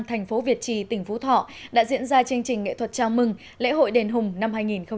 thành phố việt trì tỉnh phú thọ đã diễn ra chương trình nghệ thuật chào mừng lễ hội đền hùng năm hai nghìn một mươi chín